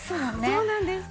そうなんです。